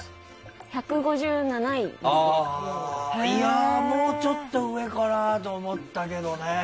ああもうちょっと上かなと思ったけどね。